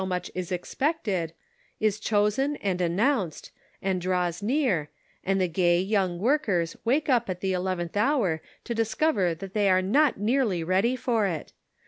261 much is expected, is chosen and announced, and draws near, and the gay young workers wake up at the eleventh hour to discover that they are not nearly ready for it.